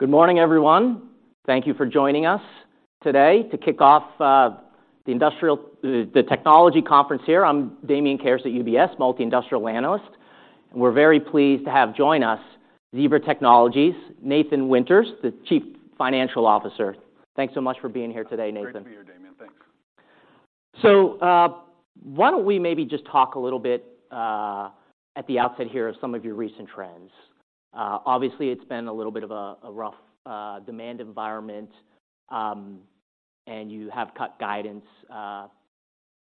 Good morning, everyone. Thank you for joining us today to kick off the industrial, the technology conference here. I'm Damian Karas at UBS, Multi-Industrial Analyst, and we're very pleased to have join us Zebra Technologies, Nathan Winters, the Chief Financial Officer. Thanks so much for being here today, Nathan. Great to be here, Damian. Thanks. So, why don't we maybe just talk a little bit at the outset here of some of your recent trends? Obviously, it's been a little bit of a rough demand environment, and you have cut guidance,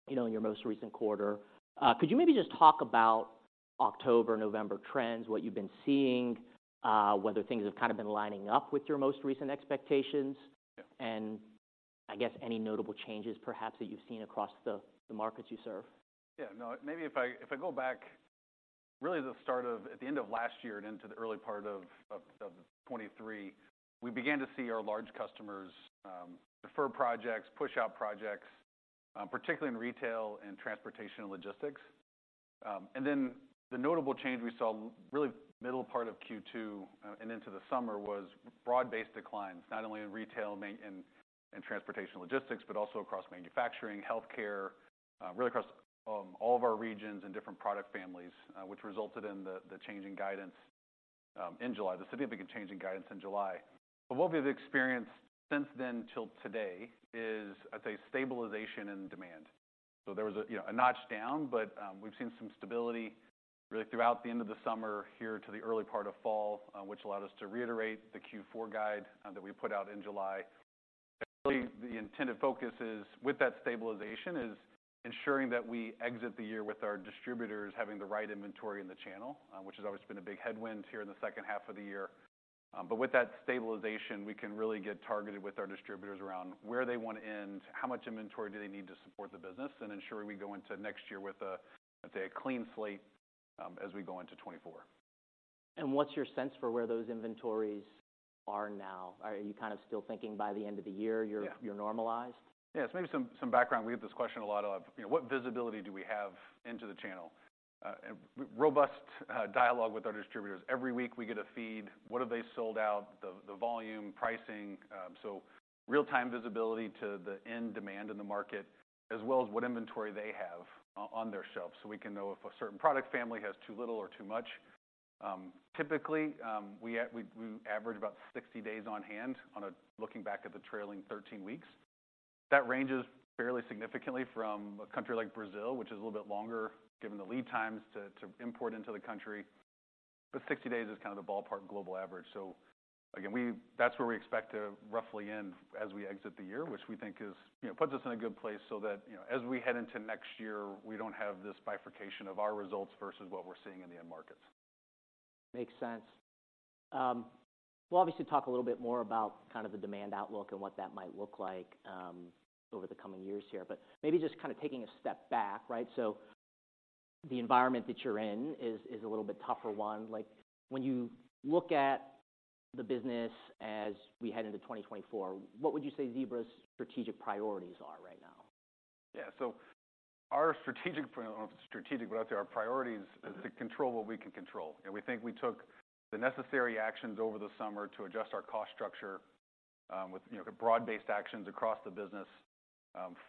you know, in your most recent quarter. Could you maybe just talk about October, November trends, what you've been seeing, whether things have kind of been lining up with your most recent expectations? Yeah. I guess any notable changes perhaps that you've seen across the markets you serve? Yeah. No, maybe if I, if I go back really to the start of... At the end of last year and into the early part of 2023, we began to see our large customers defer projects, push out projects, particularly in retail and transportation and logistics. And then the notable change we saw really middle part of Q2 and into the summer was broad-based declines, not only in retail, mainly, and transportation and logistics, but also across manufacturing, healthcare, really across all of our regions and different product families, which resulted in the change in guidance in July, the significant change in guidance in July. But what we've experienced since then till today is, I'd say, stabilization and demand. So there was, you know, a notch down, but we've seen some stability really throughout the end of the summer here to the early part of fall, which allowed us to reiterate the Q4 guide that we put out in July. Really, the intended focus is, with that stabilization, is ensuring that we exit the year with our distributors having the right inventory in the channel, which has always been a big headwind here in the second half of the year. But with that stabilization, we can really get targeted with our distributors around where they want to end, how much inventory do they need to support the business, and ensuring we go into next year with a, with a clean slate, as we go into 2024. What's your sense for where those inventories are now? Are you kind of still thinking by the end of the year— Yeah. You're normalized? Yes. Maybe some background. We get this question a lot of, you know, what visibility do we have into the channel? And robust dialogue with our distributors. Every week we get a feed, what have they sold out, the volume, pricing, so real-time visibility to the end demand in the market, as well as what inventory they have on their shelves, so we can know if a certain product family has too little or too much. Typically, we average about 60 days on hand on a looking back at the trailing 13 weeks. That ranges fairly significantly from a country like Brazil, which is a little bit longer, given the lead times to import into the country, but 60 days is kind of the ballpark global average. So again, that's where we expect to roughly end as we exit the year, which we think is, you know, puts us in a good place so that, you know, as we head into next year, we don't have this bifurcation of our results versus what we're seeing in the end markets. Makes sense. We'll obviously talk a little bit more about kind of the demand outlook and what that might look like over the coming years here, but maybe just kind of taking a step back, right? So the environment that you're in is a little bit tougher one. Like, when you look at the business as we head into 2024, what would you say Zebra's strategic priorities are right now? Yeah. So our strategic priorities, but I'd say our priorities, is to control what we can control. And we think we took the necessary actions over the summer to adjust our cost structure, with, you know, broad-based actions across the business,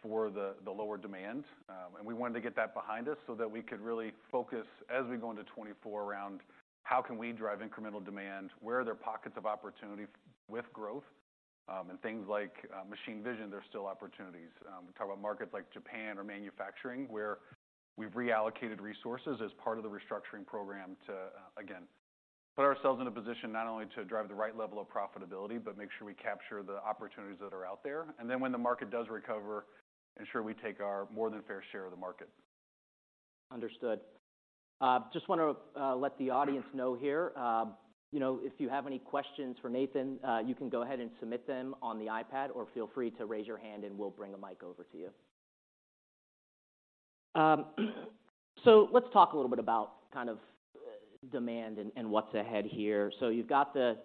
for the lower demand. And we wanted to get that behind us so that we could really focus as we go into 2024 around how can we drive incremental demand, where are there pockets of opportunity with growth, and things like machine vision, there's still opportunities. We talk about markets like Japan or manufacturing, where we've reallocated resources as part of the restructuring program to, again, put ourselves in a position not only to drive the right level of profitability, but make sure we capture the opportunities that are out there. And then when the market does recover, ensure we take our more than fair share of the market. Understood. Just want to let the audience know here, you know, if you have any questions for Nathan, you can go ahead and submit them on the iPad, or feel free to raise your hand and we'll bring a mic over to you. So let's talk a little bit about kind of demand and what's ahead here. So you've got the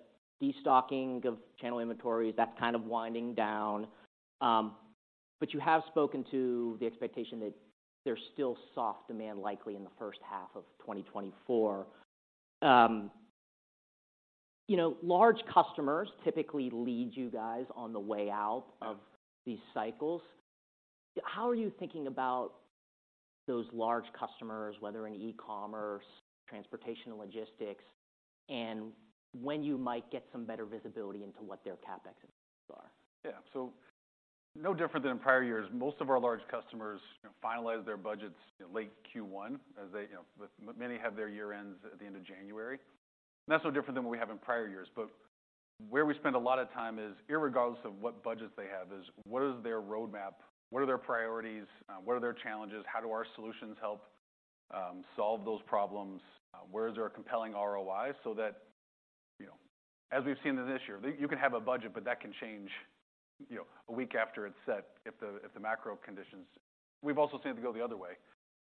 destocking of channel inventories, that's kind of winding down. But you have spoken to the expectation that there's still soft demand likely in the first half of 2024. You know, large customers typically lead you guys on the way out of these cycles. How are you thinking about those large customers, whether in e-commerce, transportation and logistics, and when you might get some better visibility into what their CapEx are? Yeah. So no different than in prior years. Most of our large customers finalize their budgets in late Q1, as they, you know, with many have their year ends at the end of January. Not so different than what we have in prior years, but where we spend a lot of time is, irregardless of what budgets they have, is what is their roadmap? What are their priorities? What are their challenges? How do our solutions help solve those problems? Where is our compelling ROI? So that, you know, as we've seen this year, you can have a budget, but that can change, you know, a week after it's set, if the, if the macro conditions... We've also seen it to go the other way.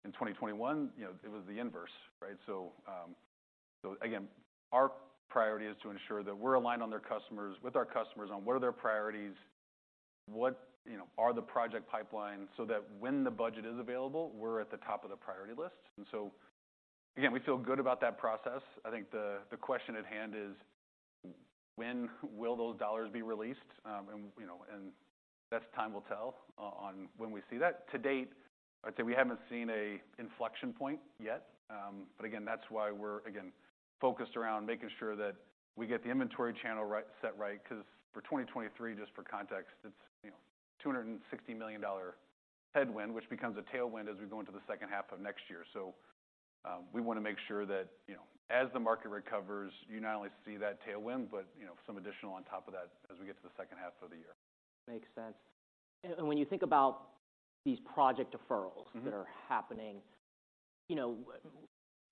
In 2021, you know, it was the inverse, right? So, again, our priority is to ensure that we're aligned with our customers on what are their priorities—what, you know, are the project pipelines, so that when the budget is available, we're at the top of the priority list? And so, again, we feel good about that process. I think the question at hand is: when will those dollars be released? And, you know, that's time will tell on when we see that. To date, I'd say we haven't seen an inflection point yet, but again, that's why we're, again, focused around making sure that we get the inventory channel right, set right, 'cause for 2023, just for context, it's, you know, $260 million headwind, which becomes a tailwind as we go into the second half of next year. We want to make sure that, you know, as the market recovers, you not only see that tailwind, but, you know, some additional on top of that as we get to the second half of the year. Makes sense. And when you think about these project deferrals that are happening, you know,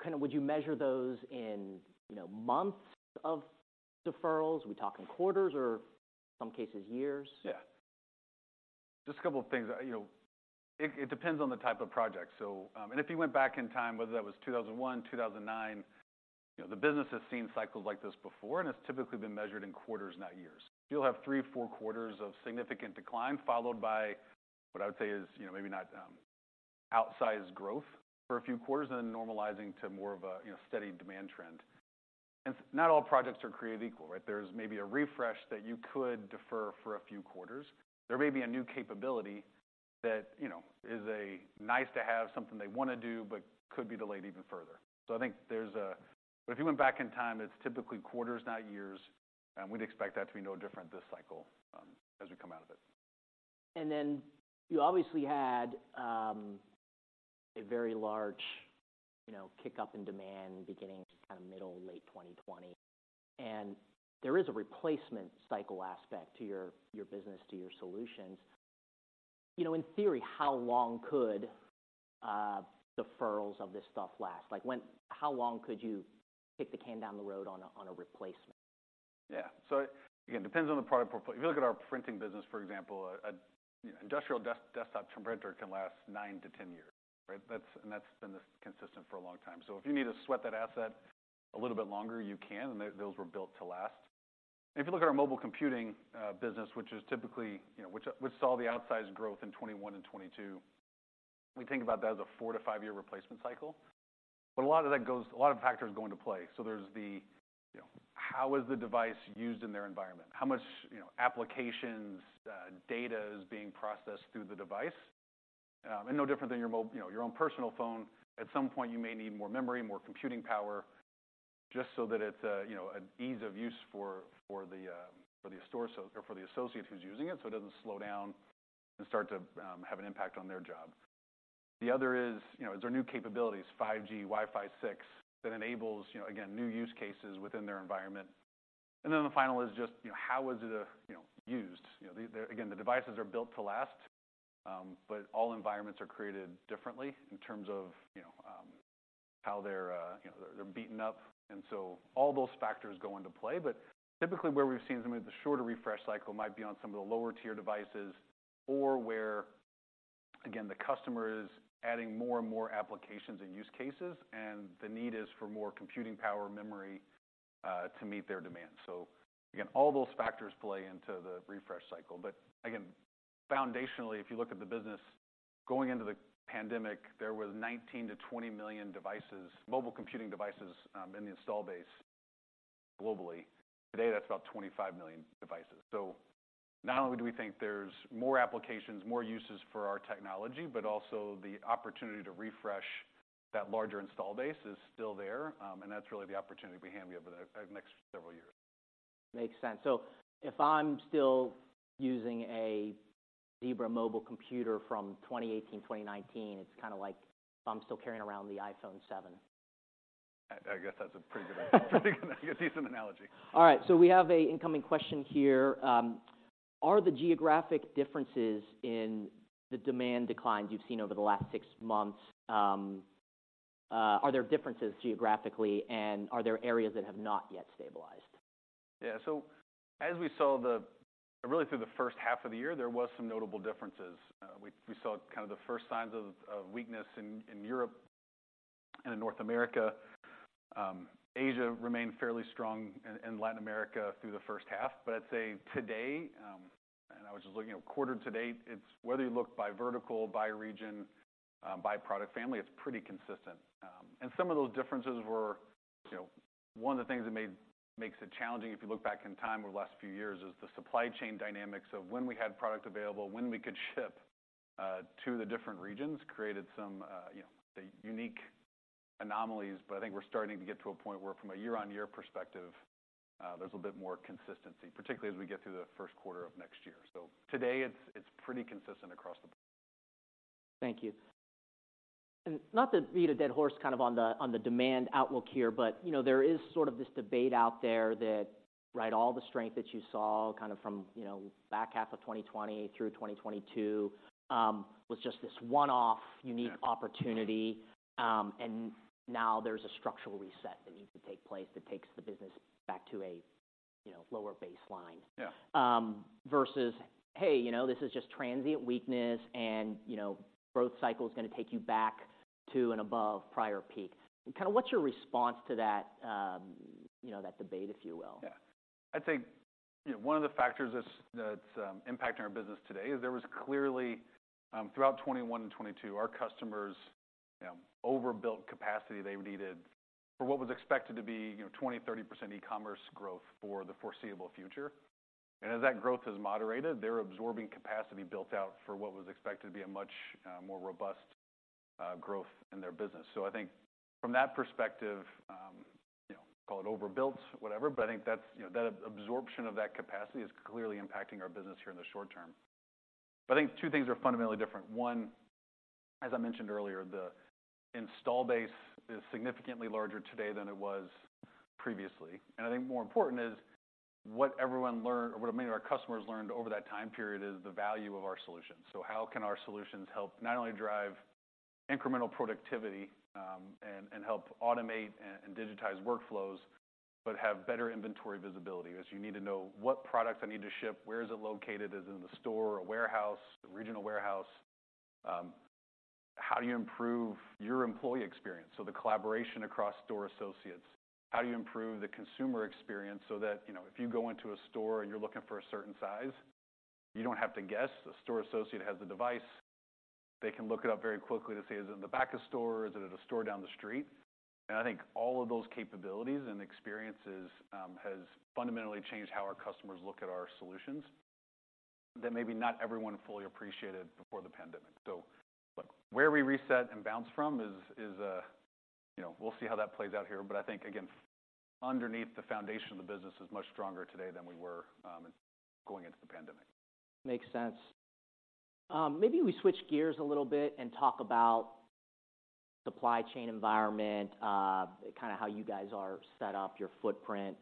kind of, would you measure those in, you know, months of deferrals? Are we talking quarters or some cases, years? Yeah. Just a couple of things. You know, it depends on the type of project. So, and if you went back in time, whether that was 2001, 2009, you know, the business has seen cycles like this before, and it's typically been measured in quarters, not years. You'll have 3, 4 quarters of significant decline, followed by what I would say is, you know, maybe not, outsized growth for a few quarters, and then normalizing to more of a, you know, steady demand trend. And not all projects are created equal, right? There's maybe a refresh that you could defer for a few quarters. There may be a new capability that, you know, is a nice to have, something they want to do, but could be delayed even further. So I think there's a— But if you went back in time, it's typically quarters, not years, and we'd expect that to be no different this cycle, as we come out of it. And then you obviously had a very large, you know, kick-up in demand beginning kind of middle, late 2020, and there is a replacement cycle aspect to your, your business, to your solutions. You know, in theory, how long could deferrals of this stuff last? Like, when- how long could you kick the can down the road on a, on a replacement? Yeah. So again, it depends on the product portfolio. If you look at our printing business, for example, you know, an industrial desktop printer can last 9-10 years, right? That's, and that's been consistent for a long time. So if you need to sweat that asset a little bit longer, you can, and those were built to last. If you look at our mobile computing business, which is typically, you know, which saw the outsized growth in 2021 and 2022, we think about that as a 4-5-year replacement cycle. But a lot of that goes—a lot of factors go into play. So there's the, you know, how is the device used in their environment? How much, you know, applications, data is being processed through the device? And no different than your mobile, you know, your own personal phone. At some point, you may need more memory, more computing power, just so that it's a, you know, an ease of use for the store, or for the associate who's using it, so it doesn't slow down and start to have an impact on their job. The other is, you know, is there new capabilities, 5G, Wi-Fi 6, that enables, you know, again, new use cases within their environment. And then the final is just, you know, how is it used? You know, again, the devices are built to last, but all environments are created differently in terms of, you know, how they're beaten up. And so all those factors go into play. But typically, where we've seen some of the shorter refresh cycle might be on some of the lower-tier devices or where, again, the customer is adding more and more applications and use cases, and the need is for more computing power, memory, to meet their demand. So again, all those factors play into the refresh cycle. But again, foundationally, if you look at the business going into the pandemic, there was 19-20 million devices, mobile computing devices, in the installed base globally. Today, that's about 25 million devices. So not only do we think there's more applications, more uses for our technology, but also the opportunity to refresh that larger installed base is still there, and that's really the opportunity we have over the, next several years. Makes sense. So if I'm still using a Zebra mobile computer from 2018, 2019, it's kind of like if I'm still carrying around the iPhone 7. I guess that's a pretty good, decent analogy. All right, so we have an incoming question here. Are the geographic differences in the demand declines you've seen over the last six months, are there differences geographically, and are there areas that have not yet stabilized? Yeah. So as we saw, really through the first half of the year, there was some notable differences. We saw kind of the first signs of weakness in Europe and in North America. Asia remained fairly strong, and Latin America through the first half. But I'd say today, and I was just looking at quarter to date, it's whether you look by vertical, by region, by product family, it's pretty consistent. And some of those differences were, you know, one of the things that makes it challenging, if you look back in time over the last few years, is the supply chain dynamics of when we had product available, when we could ship to the different regions, created some, you know, unique anomalies. But I think we're starting to get to a point where from a year-on-year perspective, there's a bit more consistency, particularly as we get through the first quarter of next year. So today, it's, it's pretty consistent across the board. Thank you. And not to beat a dead horse kind of on the demand outlook here, but, you know, there is sort of this debate out there that, right, all the strength that you saw kind of from, you know, back half of 2020 through 2022, was just this one-off, unique opportunity— Yeah. And now there's a structural reset that needs to take place that takes the business back to a, you know, lower baseline. Yeah. Versus, hey, you know, this is just transient weakness, and, you know, growth cycle is going to take you back to and above prior peak. And kind of, what's your response to that, you know, that debate, if you will? Yeah. I think, you know, one of the factors that's impacting our business today is there was clearly throughout 2021 and 2022, our customers, you know, overbuilt capacity they needed for what was expected to be, you know, 20%-30% e-commerce growth for the foreseeable future. And as that growth has moderated, they're absorbing capacity built out for what was expected to be a much more robust growth in their business. So I think from that perspective, you know, call it overbuilt, whatever, but I think that's, you know, that absorption of that capacity is clearly impacting our business here in the short term. But I think two things are fundamentally different. One, as I mentioned earlier, the install base is significantly larger today than it was previously, and I think more important is what everyone learned, or what many of our customers learned over that time period, is the value of our solutions. So how can our solutions help not only drive incremental productivity and help automate and digitize workflows, but have better inventory visibility? As you need to know what product I need to ship, where is it located, is it in the store or warehouse, the regional warehouse? How do you improve your employee experience, so the collaboration across store associates? How do you improve the consumer experience so that, you know, if you go into a store and you're looking for a certain size, you don't have to guess. The store associate has the device. They can look it up very quickly to say, "Is it in the back of store? Is it at a store down the street?" And I think all of those capabilities and experiences has fundamentally changed how our customers look at our solutions, that maybe not everyone fully appreciated before the pandemic. So look, where we reset and bounce from is, you know, we'll see how that plays out here. But I think, again, underneath the foundation of the business is much stronger today than we were, going into the pandemic. Makes sense. Maybe we switch gears a little bit and talk about supply chain environment, kind of how you guys are set up, your footprint.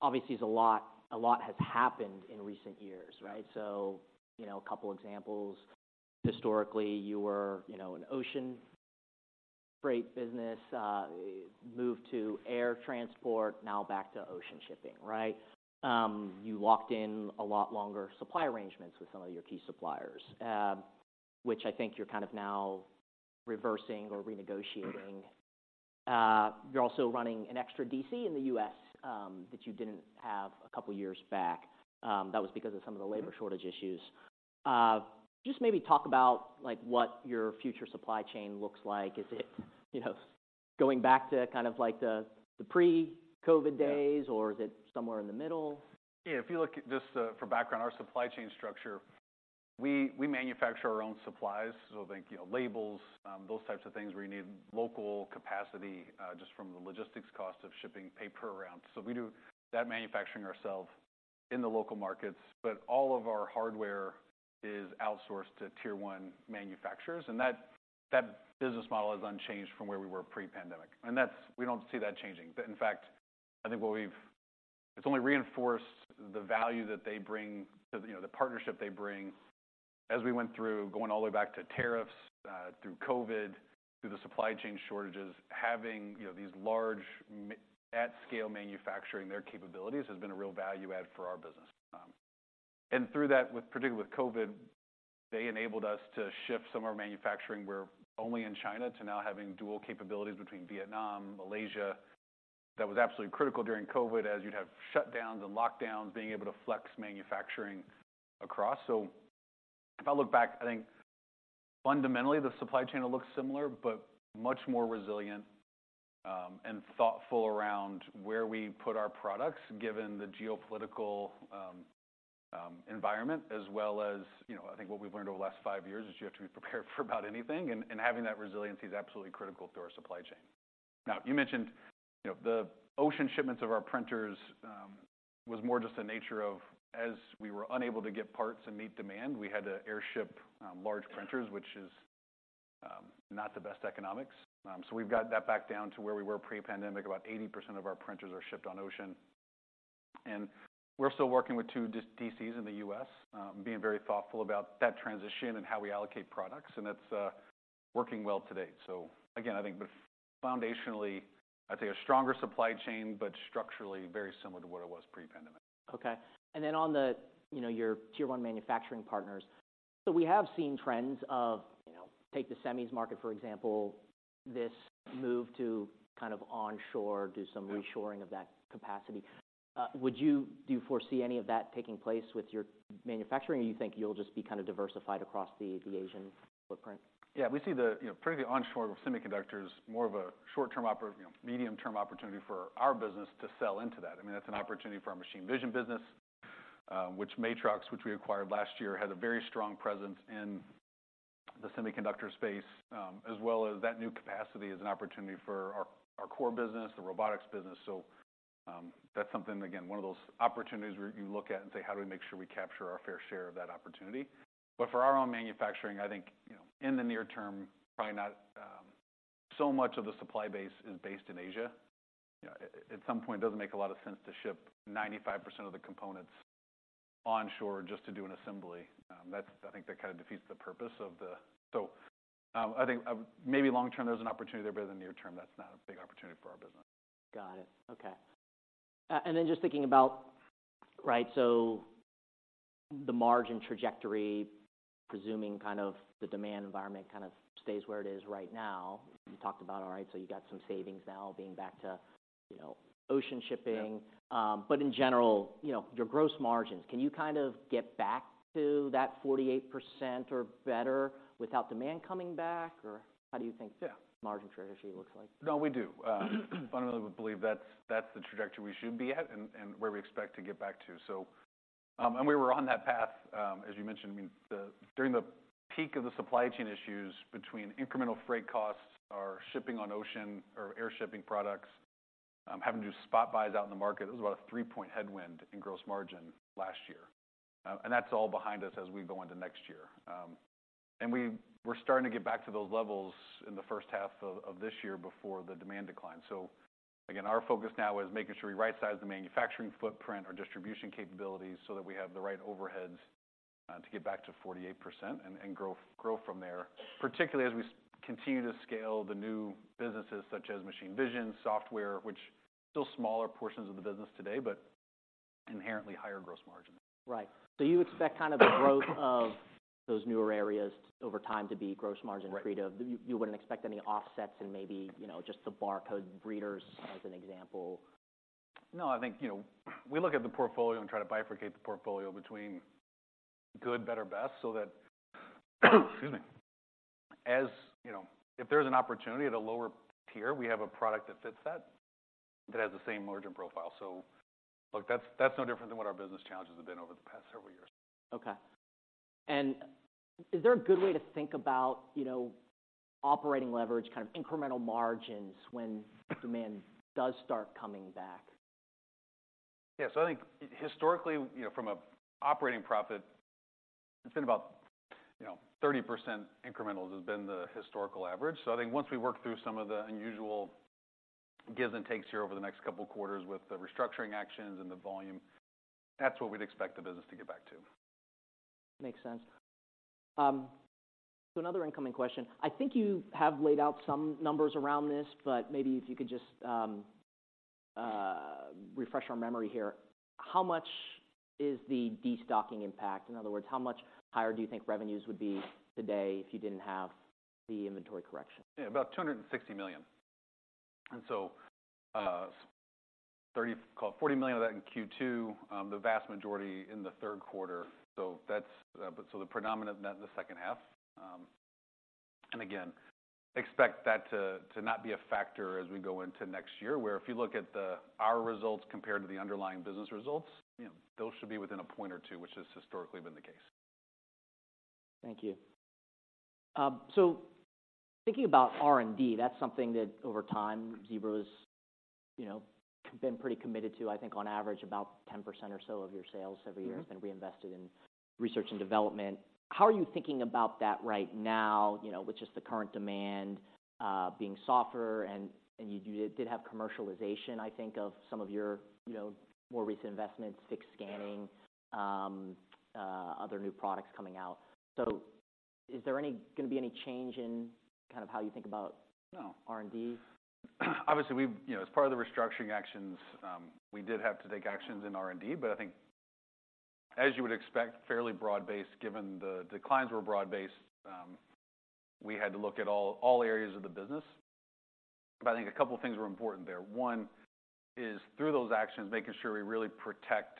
Obviously, it's a lot, a lot has happened in recent years, right? So, you know, a couple examples. Historically, you were, you know, an ocean freight business, moved to air transport, now back to ocean shipping, right? You locked in a lot longer supply arrangements with some of your key suppliers, which I think you're kind of now reversing or renegotiating. You're also running an extra DC in the U.S., that you didn't have a couple years back. That was because of some of the labor shortage issues. Just maybe talk about, like, what your future supply chain looks like. Is it, you know, going back to kind of like the pre-COVID days or is it somewhere in the middle? Yeah, if you look at, just, for background, our supply chain structure, we manufacture our own supplies. So think, you know, labels, those types of things where you need local capacity, just from the logistics cost of shipping paper around. So we do that manufacturing ourselves in the local markets, but all of our hardware is outsourced to tier one manufacturers, and that business model is unchanged from where we were pre-pandemic, and that's—we don't see that changing. In fact, I think what we've— It's only reinforced the value that they bring to, you know, the partnership they bring as we went through going all the way back to tariffs, through COVID, through the supply chain shortages. Having, you know, these large manufacturing at scale, their capabilities has been a real value add for our business. And through that, with particularly with COVID, they enabled us to shift some of our manufacturing where only in China, to now having dual capabilities between Vietnam, Malaysia. That was absolutely critical during COVID, as you'd have shutdowns and lockdowns, being able to flex manufacturing across. So if I look back, I think fundamentally, the supply chain will look similar, but much more resilient, and thoughtful around where we put our products, given the geopolitical environment, as well as, you know, I think what we've learned over the last five years is you have to be prepared for about anything, and, and having that resiliency is absolutely critical to our supply chain. Now, you mentioned, you know, the ocean shipments of our printers was more just the nature of as we were unable to get parts and meet demand, we had to airship large printers, which is not the best economics. So we've got that back down to where we were pre-pandemic. About 80% of our printers are shipped on ocean, and we're still working with two DCs in the U.S., being very thoughtful about that transition and how we allocate products, and that's working well to date. So again, I think foundationally, I'd say a stronger supply chain, but structurally very similar to what it was pre-pandemic. Okay. And then on the, you know, your tier one manufacturing partners, so we have seen trends of, you know, take the semis market, for example, this move to kind of onshore, do some reshoring of that capacity. Do you foresee any of that taking place with your manufacturing, or you think you'll just be kind of diversified across the, the Asian footprint? Yeah, we see the, you know, push to onshore semiconductors, more of a short-term—you know, medium-term opportunity for our business to sell into that. I mean, that's an opportunity for our machine vision business, which Matrox, which we acquired last year, had a very strong presence in the semiconductor space. As well as that new capacity is an opportunity for our core business, the robotics business. So, that's something, again, one of those opportunities where you look at and say: How do we make sure we capture our fair share of that opportunity? But for our own manufacturing, I think, you know, in the near term, probably not, so much of the supply base is based in Asia. You know, at some point, it doesn't make a lot of sense to ship 95% of the components onshore just to do an assembly. That's, I think, that kind of defeats the purpose of the—so, I think, maybe long term, there's an opportunity there, but in the near term, that's not a big opportunity for our business. Got it. Okay. And then just thinking about the margin trajectory, presuming kind of the demand environment kind of stays where it is right now. You talked about, all right, so you got some savings now being back to, you know, ocean shipping. Yeah. But in general, you know, your gross margins, can you kind of get back to that 48% or better without demand coming back, or how do you think— Yeah. The margin trajectory looks like? No, we do. Fundamentally, we believe that's, that's the trajectory we should be at and, and where we expect to get back to. So, and we were on that path, as you mentioned, I mean, during the peak of the supply chain issues between incremental freight costs or shipping on ocean or air shipping products, having to do spot buys out in the market, it was about a 3-point headwind in gross margin last year. And that's all behind us as we go into next year. And we're starting to get back to those levels in the first half of this year before the demand decline. So again, our focus now is making sure we rightsize the manufacturing footprint or distribution capabilities so that we have the right overheads to get back to 48% and grow from there, particularly as we continue to scale the new businesses such as machine vision, software, which still smaller portions of the business today, but inherently higher gross margin. Right. So you expect kind of the growth of those newer areas over time to be gross margin accretive? Right. you wouldn't expect any offsets and maybe, you know, just the barcode readers as an example? No, I think, you know, we look at the portfolio and try to bifurcate the portfolio between good, better, best, so that, excuse me. As you know, if there's an opportunity at a lower tier, we have a product that fits that, that has the same margin profile. So look, that's, that's no different than what our business challenges have been over the past several years. Okay. Is there a good way to think about, you know, operating leverage, kind of incremental margins when demand does start coming back? Yeah. So I think historically, you know, from a operating profit, it's been about, you know, 30% incremental has been the historical average. So I think once we work through some of the unusual gives and takes here over the next couple of quarters with the restructuring actions and the volume, that's what we'd expect the business to get back to. Makes sense. So another incoming question. I think you have laid out some numbers around this, but maybe if you could just refresh our memory here. How much is the destocking impact? In other words, how much higher do you think revenues would be today if you didn't have the inventory correction? Yeah, about $260 million. And so, $30—call it $40 million of that in Q2, the vast majority in the third quarter. So that's, but so the predominant in the second half. And again, expect that to, to not be a factor as we go into next year, where if you look at the, our results compared to the underlying business results, you know, those should be within a point or two, which has historically been the case. Thank you. So thinking about R&D, that's something that over time, Zebra's, you know, been pretty committed to, I think on average, about 10% or so of your sales every year has been reinvested in research and development. How are you thinking about that right now, you know, with just the current demand being softer and you did have commercialization, I think, of some of your, you know, more recent investments, fixed scanning, other new products coming out. So is there gonna be any change in kind of how you think about— No. R&D? Obviously, we, you know, as part of the restructuring actions, we did have to take actions in R&D, but I think as you would expect, fairly broad-based, given the declines were broad-based. We had to look at all areas of the business. But I think a couple of things were important there. One is through those actions, making sure we really protect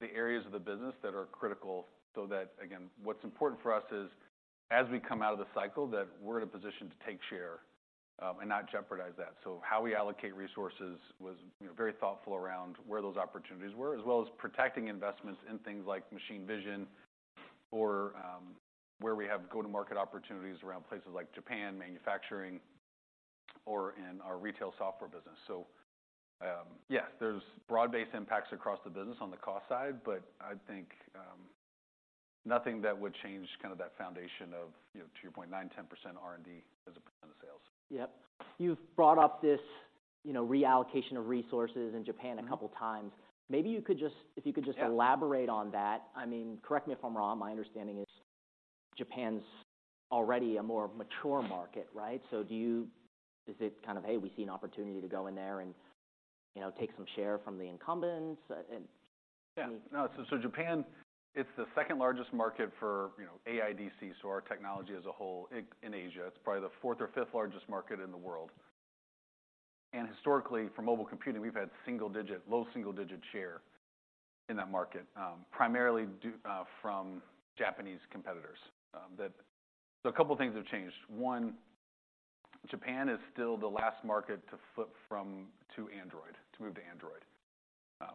the areas of the business that are critical, so that again, what's important for us is, as we come out of the cycle, that we're in a position to take share and not jeopardize that. So how we allocate resources was, you know, very thoughtful around where those opportunities were, as well as protecting investments in things like machine vision or where we have go-to-market opportunities around places like Japan, manufacturing, or in our retail software business. So, yes, there's broad-based impacts across the business on the cost side, but I think, nothing that would change kind of that foundation of, you know, 2.9-10% R&D as a percent of sales. Yep. You've brought up this, you know, reallocation of resources in Japan a couple times. Maybe you could just, if you could just. Yeah. Elaborate on that. I mean, correct me if I'm wrong, my understanding is Japan's already a more mature market, right? So do you—is it kind of, "Hey, we see an opportunity to go in there and, you know, take some share from the incumbents?" And- Yeah. No, so Japan, it's the second largest market for, you know, AIDC, so our technology as a whole in Asia, it's probably the fourth or fifth largest market in the world. And historically, for mobile computing, we've had single digit, low single digit share in that market, primarily due to Japanese competitors. So a couple of things have changed. One, Japan is still the last market to flip from, to Android, to move to Android,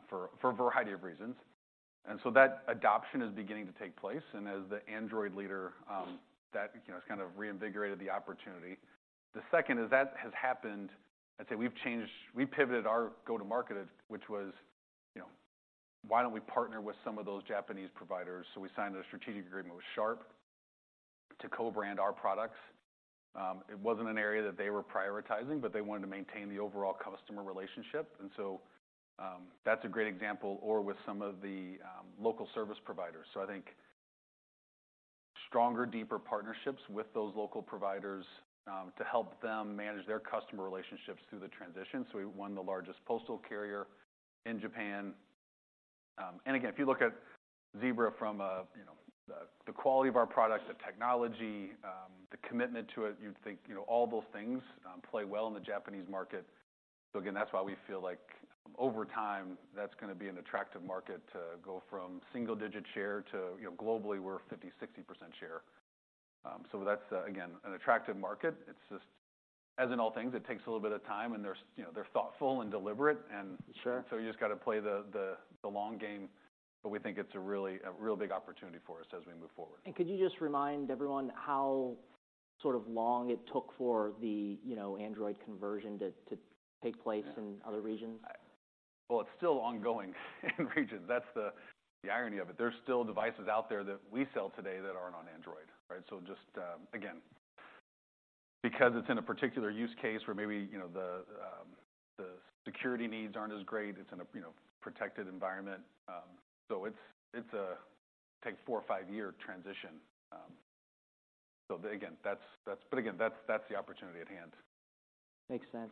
for a variety of reasons. And so that adoption is beginning to take place, and as the Android leader, that, you know, has kind of reinvigorated the opportunity. The second is that has happened, I'd say we've changed, we pivoted our go-to-market, which was, you know, why don't we partner with some of those Japanese providers? So we signed a strategic agreement with Sharp to co-brand our products. It wasn't an area that they were prioritizing, but they wanted to maintain the overall customer relationship, and so, that's a great example, or with some of the local service providers. So stronger, deeper partnerships with those local providers to help them manage their customer relationships through the transition. So we won the largest postal carrier in Japan. And again, if you look at Zebra from a, you know, the quality of our products, the technology, the commitment to it, you'd think, you know, all those things play well in the Japanese market. So again, that's why we feel like over time, that's gonna be an attractive market to go from single-digit share to, you know, globally, we're 50-60% share. So that's, again, an attractive market. It's just as in all things, it takes a little bit of time, and they're, you know, they're thoughtful and deliberate, and— Sure. So you just got to play the long game, but we think it's a real big opportunity for us as we move forward. Could you just remind everyone how sort of long it took for the, you know, Android conversion to take place— Yeah. In other regions? Well, it's still ongoing in regions. That's the, the irony of it. There's still devices out there that we sell today that aren't on Android, right? So just, again, because it's in a particular use case where maybe, you know, the security needs aren't as great, it's in a, you know, protected environment. So it's a four or five-year transition. So again, that's, that's—but again, that's the opportunity at hand. Makes sense.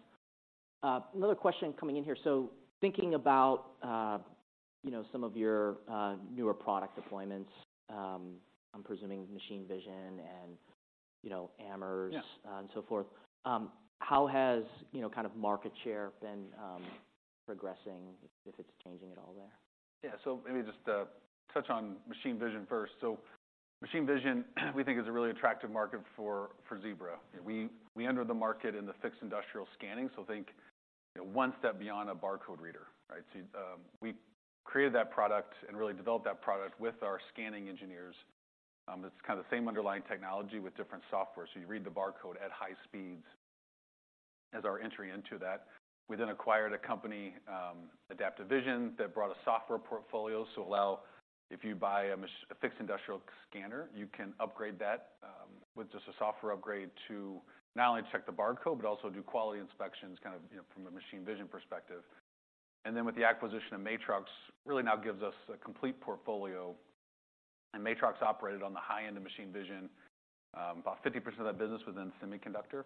Another question coming in here. So thinking about, you know, some of your newer product deployments, I'm presuming machine vision and, you know, AMRs— Yeah. And so forth, how has, you know, kind of market share been progressing, if it's changing at all there? Yeah. So maybe just to touch on machine vision first. So machine vision, we think, is a really attractive market for, for Zebra. Yeah. We entered the market in the fixed industrial scanning, so think, you know, one step beyond a barcode reader, right? So, we created that product and really developed that product with our scanning engineers. It's kind of the same underlying technology with different software. So you read the barcode at high speeds as our entry into that. We then acquired a company, Adaptive Vision, that brought a software portfolio to allow, if you buy a fixed industrial scanner, you can upgrade that with just a software upgrade to not only check the barcode but also do quality inspections, kind of, you know, from a machine vision perspective. And then with the acquisition of Matrox, really now gives us a complete portfolio. And Matrox operated on the high end of machine vision, about 50% of that business within semiconductor.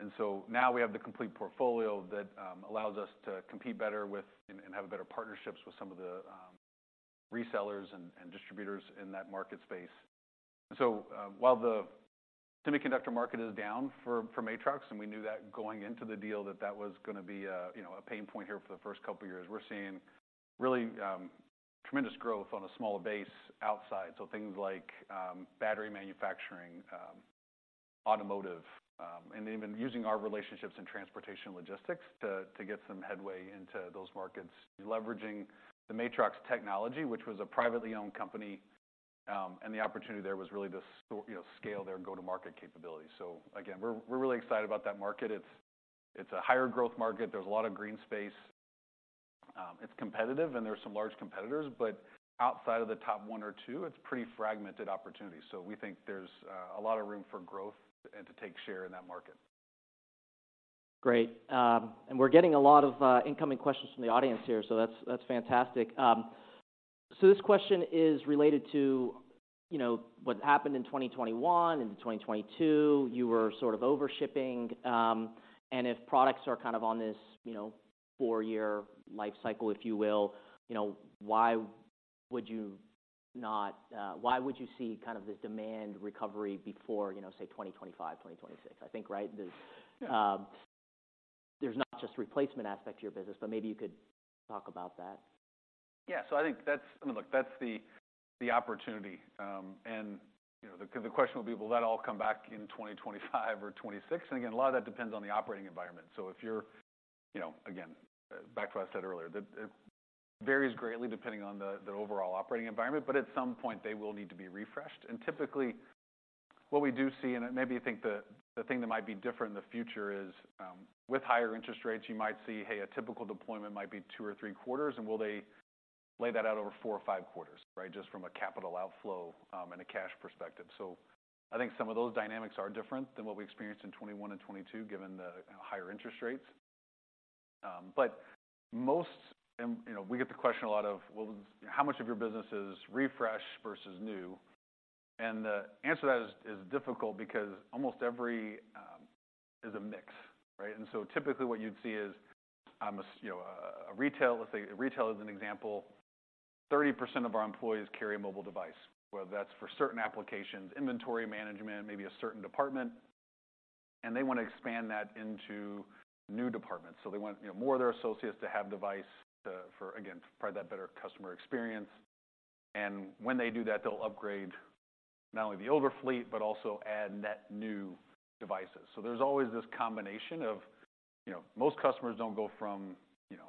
And so now we have the complete portfolio that allows us to compete better with and have better partnerships with some of the resellers and distributors in that market space. So while the semiconductor market is down for Matrox, and we knew that going into the deal, that was gonna be a you know a pain point here for the first couple of years. We're seeing really tremendous growth on a smaller base outside, so things like battery manufacturing, automotive, and even using our relationships in transportation and logistics to get some headway into those markets. Leveraging the Matrox technology, which was a privately owned company, and the opportunity there was really to sort you know scale their go-to-market capability. So again, we're really excited about that market. It's a higher growth market. There's a lot of green space. It's competitive, and there are some large competitors, but outside of the top one or two, it's pretty fragmented opportunity. So we think there's a lot of room for growth and to take share in that market. Great. We're getting a lot of incoming questions from the audience here, so that's, that's fantastic. This question is related to, you know, what happened in 2021, into 2022. You were sort of overshipping, and if products are kind of on this, you know, four-year life cycle, if you will, you know, why would you not... Why would you see kind of this demand recovery before, you know, say, 2025, 2026? I think right, there's— Yeah. There's not just replacement aspect to your business, but maybe you could talk about that. Yeah. So I think that's—I mean, look, that's the opportunity. And, you know, the question will be, will that all come back in 2025 or 2026? And again, a lot of that depends on the operating environment. So if you're, you know, again, back to what I said earlier, it varies greatly depending on the overall operating environment, but at some point, they will need to be refreshed. And typically, what we do see, and maybe you think the thing that might be different in the future is, with higher interest rates, you might see, hey, a typical deployment might be two or three quarters, and will they lay that out over four or five quarters, right? Just from a capital outflow, and a cash perspective. So I think some of those dynamics are different than what we experienced in 2021 and 2022, given the higher interest rates. But most, you know, we get the question a lot of, "Well, how much of your business is refresh versus new?" And the answer to that is difficult because almost every is a mix, right? And so typically, what you'd see is, you know, a retail, let's say retail is an example. 30% of our employees carry a mobile device, whether that's for certain applications, inventory management, maybe a certain department, and they want to expand that into new departments. So they want, you know, more of their associates to have device to, for, again, provide that better customer experience. And when they do that, they'll upgrade not only the older fleet but also add net new devices. So there's always this combination of, you know, most customers don't go from, you know,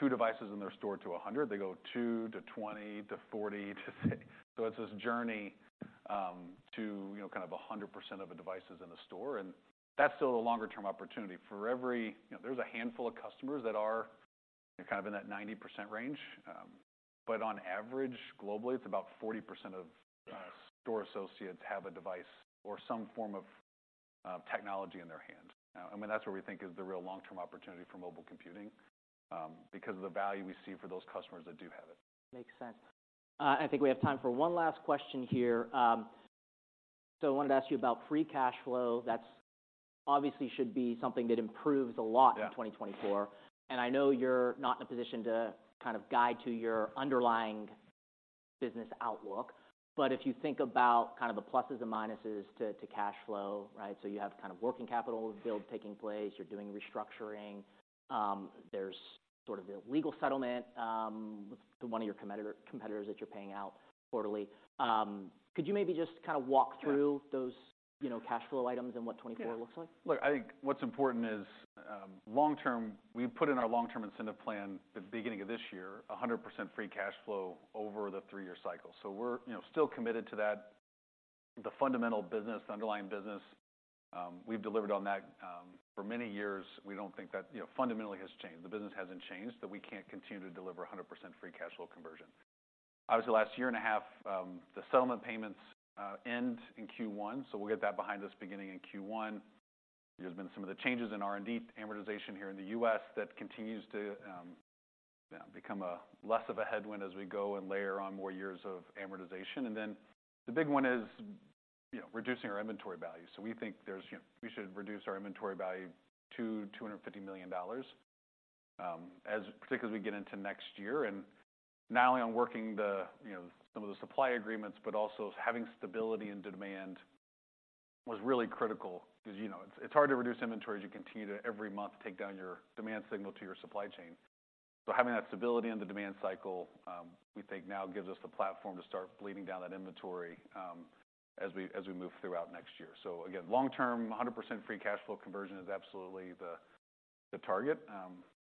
2 devices in their store to 100. They go 2 to 20 to 40 to 60. So it's this journey to, you know, kind of 100% of the devices in the store, and that's still a longer-term opportunity. For every you know, there's a handful of customers that are kind of in that 90% range, but on average, globally, it's about 40% of store associates have a device or some form of technology in their hands. I mean, that's where we think is the real long-term opportunity for mobile computing because of the value we see for those customers that do have it. Makes sense. I think we have time for one last question here. I wanted to ask you about free cash flow. That's obviously should be something that improves a lot— Yeah. in 2024, and I know you're not in a position to kind of guide to your underlying business outlook, but if you think about kind of the pluses and minuses to cash flow, right? So you have kind of working capital build taking place, you're doing restructuring, there's sort of the legal settlement to one of your competitors that you're paying out quarterly. Could you maybe just kind of walk through— Yeah. Those, you know, cash flow items and what 2024 looks like? Yeah. Look, I think what's important is long term... We put in our long-term incentive plan at the beginning of this year, 100% free cash flow over the three-year cycle. So we're, you know, still committed to that. The fundamental business, the underlying business, we've delivered on that for many years. We don't think that, you know, fundamentally has changed. The business hasn't changed, that we can't continue to deliver 100% free cash flow conversion. Obviously, the last year and a half, the settlement payments end in Q1, so we'll get that behind us beginning in Q1. There's been some of the changes in R&D amortization here in the U.S. that continues to become a less of a headwind as we go and layer on more years of amortization. Then the big one is, you know, reducing our inventory value. So we think there's, you know, we should reduce our inventory value to $250 million, as particularly as we get into next year. And not only on working the, you know, some of the supply agreements, but also having stability in the demand was really critical. 'Cause, you know, it's, it's hard to reduce inventory as you continue to every month take down your demand signal to your supply chain. So having that stability in the demand cycle, we think now gives us the platform to start bleeding down that inventory, as we, as we move throughout next year. So again, long term, 100% free cash flow conversion is absolutely the, the target.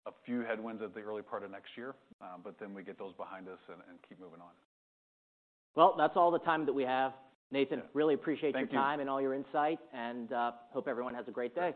A few headwinds at the early part of next year, but then we get those behind us and keep moving on. Well, that's all the time that we have. Nathan, really appreciate your time. Thank you. And all your insight, and hope everyone has a great day.